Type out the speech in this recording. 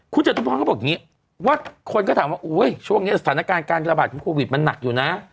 คุณจตุพรเขาบอกอย่างนี้ว่าคนก็ถามว่าช่วงนี้สถานการณ์การระบาดของโควิดมันหนักอยู่นะ